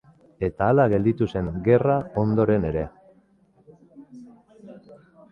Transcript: Eta hala gelditu zen gerra ondoren ere.